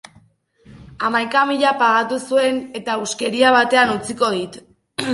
Hamaika mila pagatu zuen eta huskeria batean utziko dit.